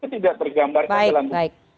tidak tergambarkan dalam bukti